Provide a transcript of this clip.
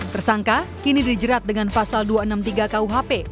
tersangka kini dijerat dengan pasal dua ratus enam puluh tiga kuhp